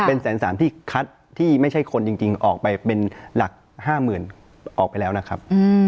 เป็นแสนสามที่คัดที่ไม่ใช่คนจริงออกไปเป็นหลัก๕๐๐๐ออกไปแล้วนะครับ